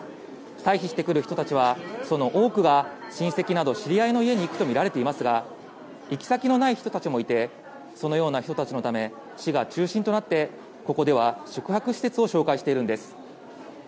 退避してくる人たちはその多くが親戚など知り合いの家に行くとみられていますが行き先のない人たちもいてそのような人たちのため市が中心となってここでは、宿泊施設を紹介しているんです。